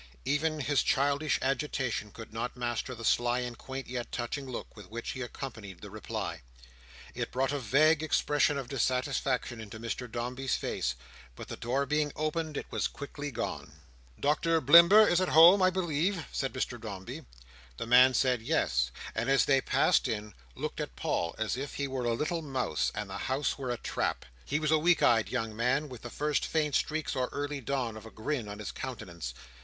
Even his childish agitation could not master the sly and quaint yet touching look, with which he accompanied the reply. It brought a vague expression of dissatisfaction into Mr Dombey's face; but the door being opened, it was quickly gone. "Doctor Blimber is at home, I believe?" said Mr Dombey. The man said yes; and as they passed in, looked at Paul as if he were a little mouse, and the house were a trap. He was a weak eyed young man, with the first faint streaks or early dawn of a grin on his countenance.